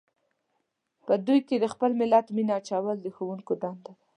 په دوی کې د خپل ملت مینه اچول د ښوونکو دنده ده.